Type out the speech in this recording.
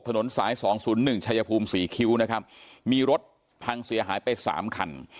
ถนนสายสองศูนย์หนึ่งชายภูมิศรีคิ้วนะครับมีรถพังเสียหายไปสามคัน